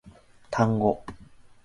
単語